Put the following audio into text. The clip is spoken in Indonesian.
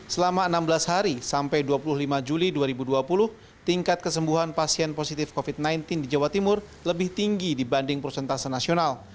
selama enam belas hari sampai dua puluh lima juli dua ribu dua puluh tingkat kesembuhan pasien positif covid sembilan belas di jawa timur lebih tinggi dibanding prosentase nasional